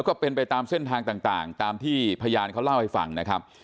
ก็เป็นไปตามเส้นทางต่างตามที่พยานเขาเล่าให้ฟังนะครับ